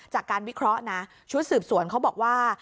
จากการวิเคราะห์นะชุดสืบสวนเขาบอกว่า